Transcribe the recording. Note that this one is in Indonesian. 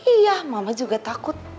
iya mama juga takut